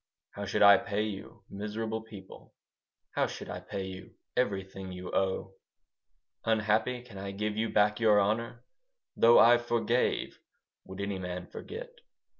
How should I pay you, miserable people, How should I pay you everything you owe? Unhappy, can I give you back your honour? Though I forgave, would any man forget?